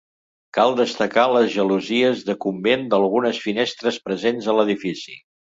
Cal destacar les gelosies de convent d'algunes finestres presents a l'edifici.